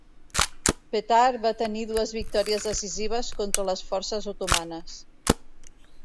Petar va tenir dues victòries decisives contra les forces otomanes.